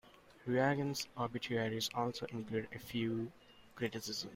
Reagan's obituaries also included a few criticisms.